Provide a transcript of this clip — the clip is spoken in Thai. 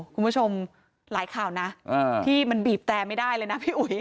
คุณผู้ชมหลายข่าวนะที่มันบีบแต่ไม่ได้เลยนะพี่อุ๋ย